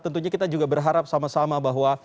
tentunya kita juga berharap sama sama bahwa